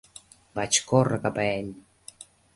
Vaig córrer cap a ell